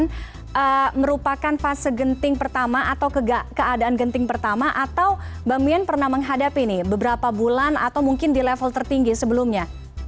ini merupakan fase genting pertama atau keadaan genting pertama atau mbak mian pernah menghadapi nih beberapa bulan atau mungkin di level tertinggi sebelumnya